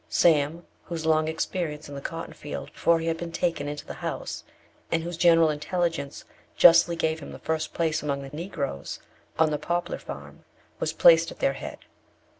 Sam, whose long experience in the cotton field before he had been taken into the house, and whose general intelligence justly gave him the first place amongst the Negroes on the Poplar Farm, was placed at their head.